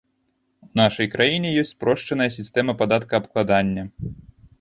У нашай краіне ёсць спрошчаная сістэма падаткаабкладання.